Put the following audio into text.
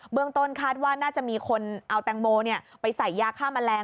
เมืองต้นคาดว่าน่าจะมีคนเอาแตงโมไปใส่ยาฆ่าแมลง